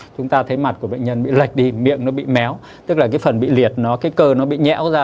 chúng ta thấy mặt của bệnh nhân bị lệch đi miệng nó bị méo tức là cái phần bị liệt nó cái cơ nó bị nhẽo ra